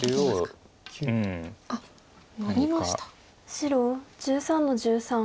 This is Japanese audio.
白１３の十三ノビ。